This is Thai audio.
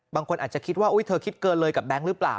บางคนอาจจะคิดว่าเธอคิดเกินเลยกับแบงค์หรือเปล่า